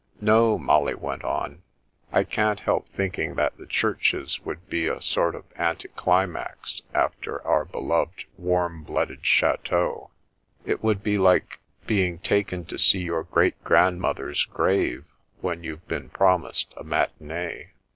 " No," Molly went on, " I can't help thinking that the churches would be a sort of anticlimax after our beloved, warm blooded chateaux. It would be like being taken to see your great grandmother's grave when you'd been promised a matinee.